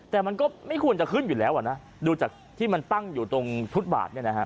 แต่มันก็ไม่ควรจะขึ้นอยู่แล้วดูจากที่มันตั้งอยู่ตรงฟุตบาท